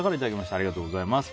ありがとうございます。